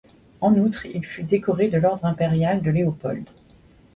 En outre, il fut décoré de l'Ordre impérial de Léopold.